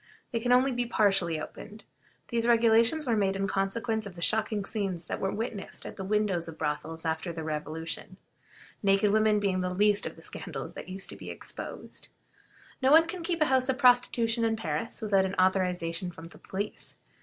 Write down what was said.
They can only be partially opened. These regulations were made in consequence of the shocking scenes that were witnessed at the windows of brothels after the Revolution, naked women being the least of the scandals that used to be exposed. No one can keep a house of prostitution in Paris without an authorization from the police.